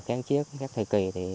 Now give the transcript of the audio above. kháng chiếc các thầy kỳ